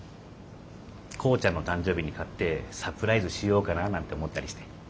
耕ちゃんの誕生日に買ってサプライズしようかなぁなんて思ったりして。